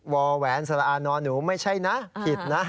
วอแหวนสละอานอนหนูไม่ใช่นะผิดนะ